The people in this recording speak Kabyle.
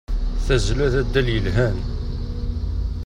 Tazzla d addal yelhan.